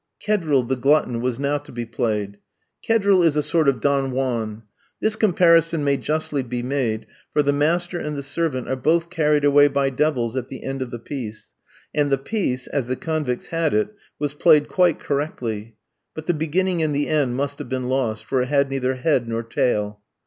Kedril, the Glutton, was now to be played. Kedril is a sort of Don Juan. This comparison may justly be made, for the master and the servant are both carried away by devils at the end of the piece; and the piece, as the convicts had it, was played quite correctly; but the beginning and the end must have been lost, for it had neither head nor tail.